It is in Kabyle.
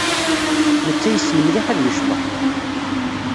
Netta yessen mliḥ ad yecḍeḥ.